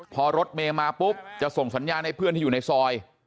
พอรถเมย์มาปุ๊บจะส่งสัญญาณให้เพื่อนที่อยู่ในซอย